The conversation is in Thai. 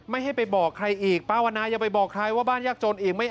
ไม่ให้ไปบอกใครอีกป้าวันนายังไปบอกใครว่าบ้านยากจนอีก